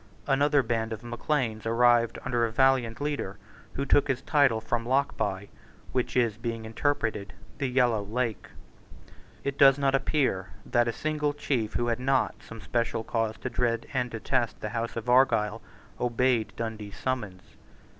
Another band of Macleans arrived under a valiant leader, who took his title from Lochbuy, which is, being interpreted, the Yellow Lake, It does not appear that a single chief who had not some special cause to dread and detest the House of Argyle obeyed Dundee's summons.